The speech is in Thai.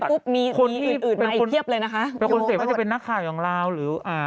ปุ๊กปุ๊กเราเป็นคนเสียว่าจะเป็นนักข่ายองราวหรือว่า